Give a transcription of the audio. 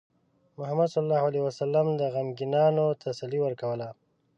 محمد صلى الله عليه وسلم د غمگینانو تسلي ورکوله.